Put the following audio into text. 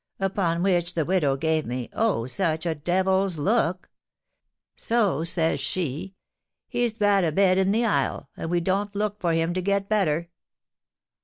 Upon which the widow gave me, oh, such a devil's look! So says she,'He's bad a bed in the isle, and we don't look for him to get better!'